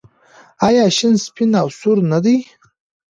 آیا شین سپین او سور نه دي؟